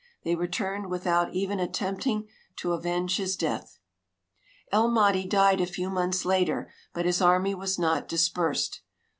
They returned without even attempting to avenge his death. El Mahdi died a few months later, but his army was not dis ])ersed.